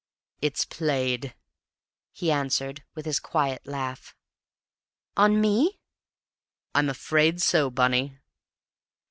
"It's played," he answered, with his quiet laugh. "On me?" "I am afraid so, Bunny."